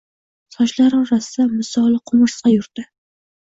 Sochlari orasida misoli qumursqa yurdi.